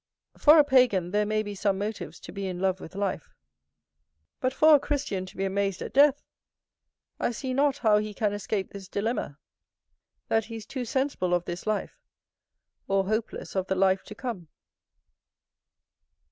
For a pagan there may be some motives to be in love with life; but, for a Christian to be amazed at death, I see not how he can escape this dilemma that he is too sensible of this life, or hopeless of the life to come.